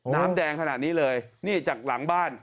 น้ำแดงขนาดนี้เลยนี่จากหลังบ้าน